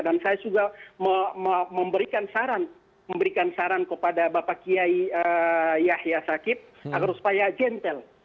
dan saya juga memberikan saran kepada bapak kiai yahya stakuf agar supaya gentel